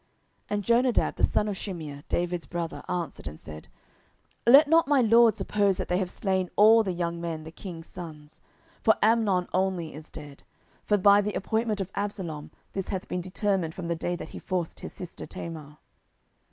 10:013:032 And Jonadab, the son of Shimeah David's brother, answered and said, Let not my lord suppose that they have slain all the young men the king's sons; for Amnon only is dead: for by the appointment of Absalom this hath been determined from the day that he forced his sister Tamar.